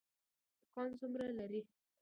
دکان څومره لرې دی؟